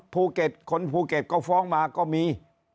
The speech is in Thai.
ภูเก็ตคนภูเก็ตก็ฟ้องมาก็มี